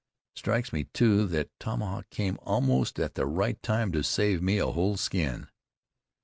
Strikes me, too, that tomahawk came almost at the right time to save me a whole skin."